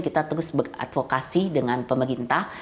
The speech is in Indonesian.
kita terus beradvokasi dengan pemerintah